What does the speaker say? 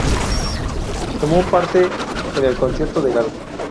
Tomó parte en el concierto de gala.